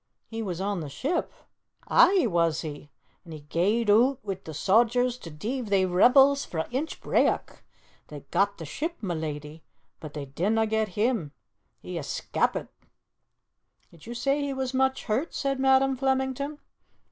"He was on the ship?" "Aye, was he. And he gae'd oot wi' the sodgers to deave they rebels frae Inchbrayock. They got the ship, ma leddy, but they didna get him. He escapit." "Did you say he was much hurt?" said Madam Flemington.